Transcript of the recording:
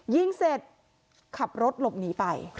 ยิงเสร็จขับรถหลบหนีไป